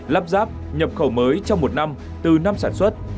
lắp ráp nhập khẩu mới trong một năm từ năm sản xuất